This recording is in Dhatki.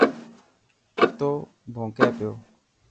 ڪتو ڀونڪي پيو.